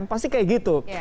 pasti seperti itu